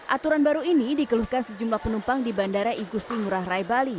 aturan baru ini dikeluhkan sejumlah penumpang di bandara igusti ngurah rai bali